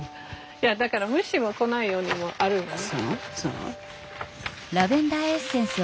いやだから虫を来ないようにもあるよね。